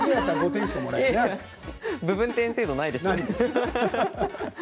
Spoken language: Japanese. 部分点制度はないです。